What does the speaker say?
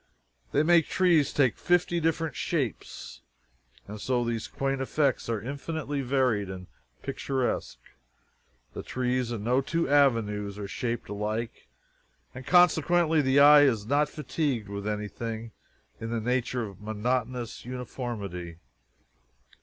They make trees take fifty different shapes, and so these quaint effects are infinitely varied and picturesque. The trees in no two avenues are shaped alike, and consequently the eye is not fatigued with anything in the nature of monotonous uniformity.